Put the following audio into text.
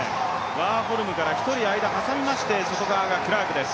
ワーホルムから１人、間を挟みまして外側がクラークです。